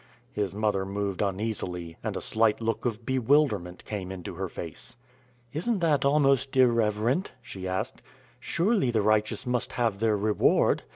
His mother moved uneasily, and a slight look of bewilderment came into her face. "Isn't that almost irreverent?" she asked. "Surely the righteous must have their reward.